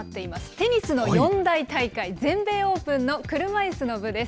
テニスの四大大会、全米オープンの車いすの部です。